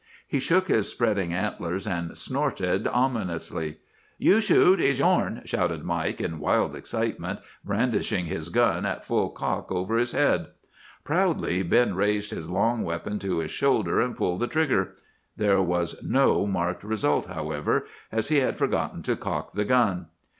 He shook his spreading antlers and snorted ominously. "'You shoot! He's yourn!' shouted Mike in wild excitement, brandishing his gun at full cock over his head. "Proudly Ben raised his long weapon to his shoulder and pulled the trigger. There was no marked result, however, as he had forgotten to cock the gun.